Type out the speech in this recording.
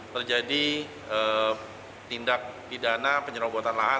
terjadi tindak pidana penyerobotan lahan